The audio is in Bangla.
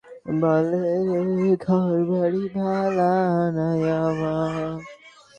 গ্রন্থগুলোতে তাঁরা তত্কালীন বাঙালি সমাজের আর্থসামাজিক বিভিন্ন বিষয় সম্পর্কে আলোচনা করেন।